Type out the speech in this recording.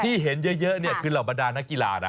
ที่เห็นเยอะเนี่ยคือเหล่าบรรดานักกีฬานะ